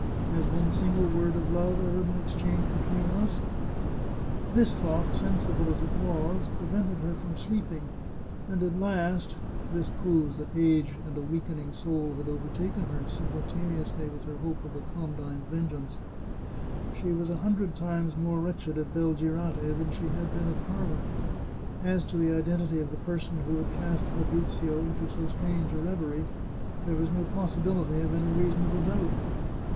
Has one single word of love ever been exchanged between us ?" This thought, sensible as it was, prevented her from sleeping, and at last — ^this proves that age and a weakening soul had overtaken her, simultaneously with her hope of a condign vengeance — she was a hundred times more wretched at Belgirate than she had been at Parma. As to the identity of the person who had cast Fabrizio into so strange a reverie, there was no possibility of any reasonable doubt.